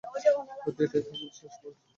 হয়তো এটাই তোমার শেষরাত।